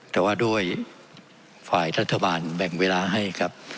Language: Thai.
แต่ว่าด้วยฝ่ายรัฐบาลแบ่งเวลาให้ครับ